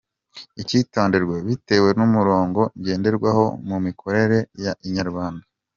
Icyitonderwa: Bitewe n’umurongo ngenderwaho mu mikorere ya Inyarwanda.